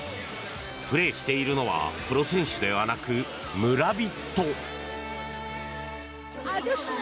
プレーしているのはプロ選手ではなく村人。